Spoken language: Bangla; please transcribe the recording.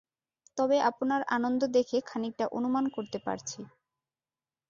তবে আপনার আনন্দ দেখে খানিকটা অনুমান করতে পারছি।